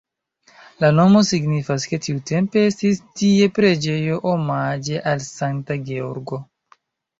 La nomo signifas, ke tiutempe estis tie preĝejo omaĝe al Sankta Georgo.